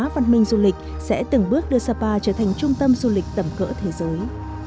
văn minh du lịch sẽ từng bước đưa sapa trở thành trung tâm du lịch tầm cỡ thế giới